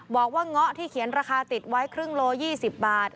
บอกว่าง้อที่เขียนราคาติดไว้ครึ่งโล๒๐บาท